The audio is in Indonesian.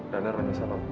danar menyesal om